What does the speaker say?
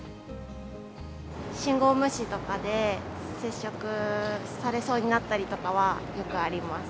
信号無視とかで、接触されそうになったりとかはよくあります。